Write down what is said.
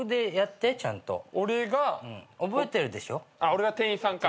俺が店員さんか。